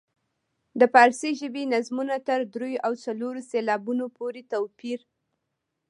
د فارسي ژبې نظمونو تر دریو او څلورو سېلابونو پورې توپیر.